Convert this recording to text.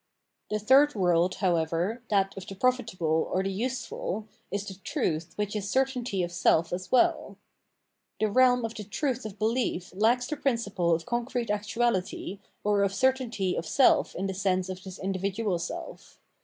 The third world, however, that of the profitable or the useful, is the truth which is certainty of self as well. The realm of the truth of behef lacks the principle of concrete actuahty, or of certainty of self in the sense of this individual self.